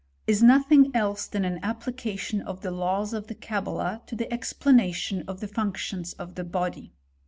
is nothing else than an ap plication of the laws of the Cabala to the explanation of the functions of the body.